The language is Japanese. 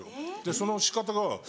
その仕方が。